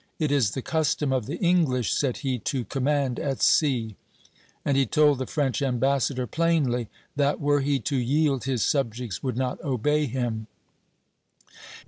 "It is the custom of the English," said he, "to command at sea;" and he told the French ambassador plainly that, were he to yield, his subjects would not obey him.